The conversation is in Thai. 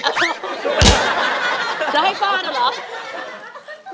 แล้วให้ป้าดเหรอ